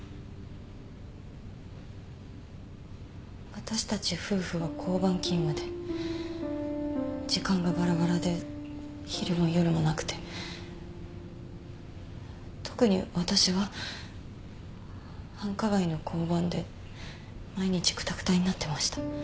私たち夫婦は交番勤務で時間がバラバラで昼も夜もなくて特に私は繁華街の交番で毎日くたくたになってました。